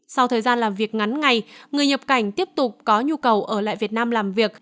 sau thời gian làm việc ngắn ngày người nhập cảnh tiếp tục có nhu cầu ở lại việt nam làm việc